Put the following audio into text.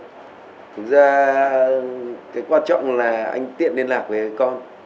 thành ra cái quan trọng là anh tiện liên lạc với con